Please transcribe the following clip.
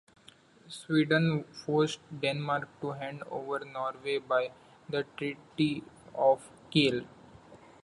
Sweden forced Denmark to hand over Norway by the Treaty of Kiel.